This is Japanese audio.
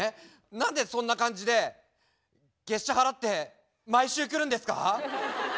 何でそんな感じで月謝払って毎週来るんですか？